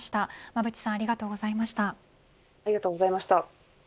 馬渕さんありがとうございました。